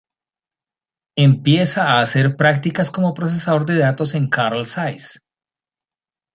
Empieza a hacer prácticas como procesador de datos en Carl Zeiss.